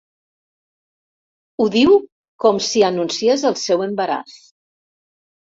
Ho diu com si anunciés el seu embaràs.